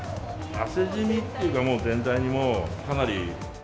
汗ジミっていうか、もう全体にかなり。